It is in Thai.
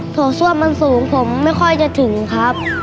โถส้วมมันสูงผมไม่ค่อยจะถึงครับ